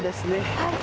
はい。